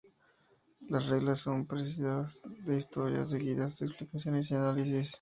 Las reglas son precedidas de historias, seguidas de explicaciones y análisis.